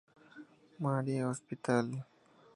Mary's Hospital.